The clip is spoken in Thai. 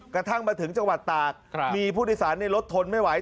กระทั่งมาถึงจังหวัดตากมีผู้โดยสารในรถทนไม่ไหว